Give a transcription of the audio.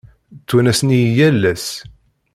Ttwanasen-iyi yal ass.